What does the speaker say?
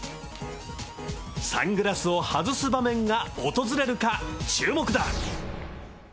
サングラスを外す場面が訪れるか注目だ。